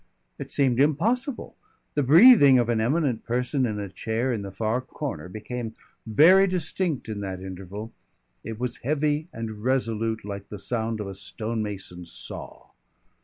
_ It seemed impossible. The breathing of an eminent person in a chair in the far corner became very distinct in that interval. It was heavy and resolute like the sound of a stone mason's saw.